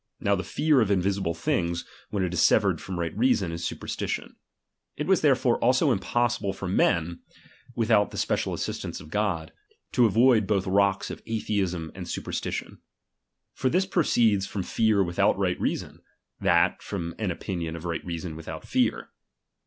Now the fear of invisible things, when it is severed from right reason, is supersti tion. It was therefore almost impossible for men, without the special assistance of God, to avoid Iwth rocks of atheism and superstition. For this proceeds from fear without right reason ; that, from an opinion of right reason without fear.